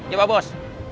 ya pak bos